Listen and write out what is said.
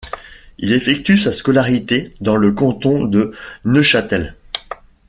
Il effectue sa scolarité dans le canton de Neuchâtel.